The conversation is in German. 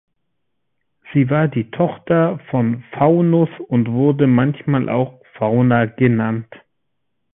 Sie war die Tochter von Faunus und wurde manchmal auch "Fauna" genannt.